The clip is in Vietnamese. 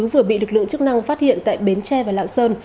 vừa bị lực lượng chức năng phát hiện tại bến tre và lạng sơn